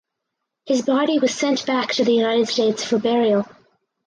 His body was sent back to the United States for burial.